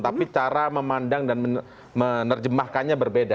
tapi cara memandang dan menerjemahkannya berbeda